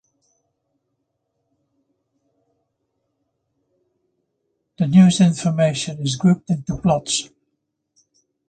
The news information is grouped into plots.